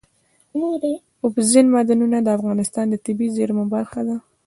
اوبزین معدنونه د افغانستان د طبیعي زیرمو برخه ده.